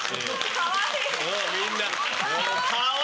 かわいい！